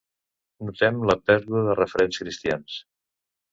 Notem la pèrdua de referents cristians.